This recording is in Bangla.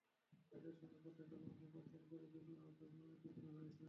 তাঁদের সঙ্গে প্রত্যেক কমিটিতে পাঁচজন করে যুগ্ম আহ্বায়ক মনোনীত করা হবে।